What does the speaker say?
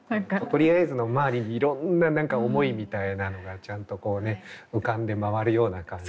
「とりあえず」の周りにいろんな何か思いみたいなのがちゃんと浮かんで回るような感じ。